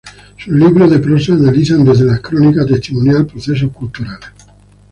Sus libros de prosa analizan, desde la crónica testimonial, procesos culturales.